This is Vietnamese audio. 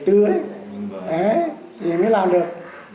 thì mới làm được